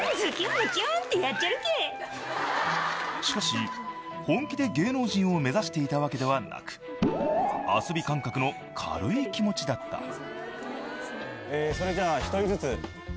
［しかし本気で芸能人を目指していたわけではなく遊び感覚の軽い気持ちだった］